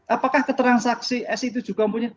apakah keterangan saksi s itu juga punya